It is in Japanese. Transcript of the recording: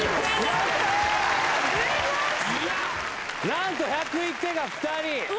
なんと１０１点が２人。